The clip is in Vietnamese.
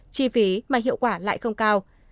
chi phí mà hiệu quả lại không cao